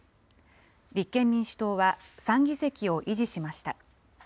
立憲民主党は３議席を維持しました。